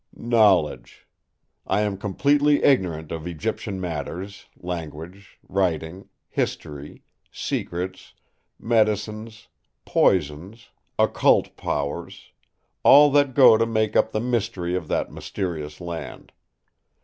"Knowledge! I am completely ignorant of Egyptian matters, language, writing, history, secrets, medicines, poisons, occult powers—all that go to make up the mystery of that mysterious land.